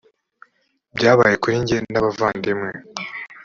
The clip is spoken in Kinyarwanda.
byabaye kuri jye n abavandimwe